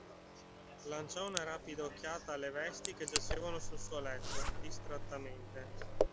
Lanciò una rapida occhiata alle vesti che giacevano sul suo letto, distrattamente.